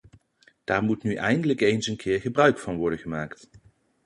Daar moet nu eindelijk eens een keer gebruik van worden gemaakt.